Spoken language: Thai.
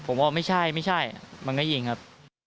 ผมว่าไม่ใช่ไม่ใช่มันก็ยิงครับ